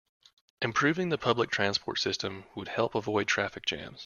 Improving the public transport system would help avoid traffic jams.